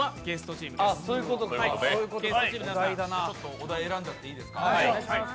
お題選んじゃっていいですか。